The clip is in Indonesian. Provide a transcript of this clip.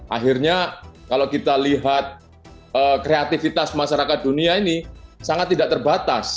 akhirnya kalau kita lihat kreativitas masyarakat dunia ini sangat tidak terbatas